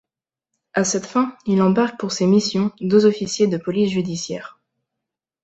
À cette fin, il embarque pour ses missions deux officiers de police judiciaire.